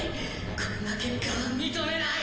こんな結果は認めない！